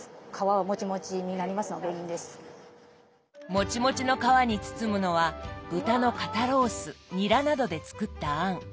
もちもちの皮に包むのは豚の肩ロースニラなどで作った餡。